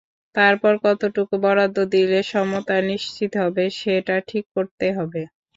তারপর কতটুকু বরাদ্দ দিলে সমতা নিশ্চিত হবে, সেটা ঠিক করতে হবে।